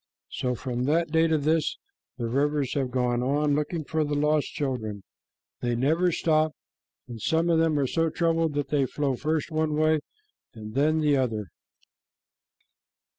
So from that day to this the rivers have gone on looking for the lost children. They never stop, and some of them are so troubled that they flow first one way and then the other.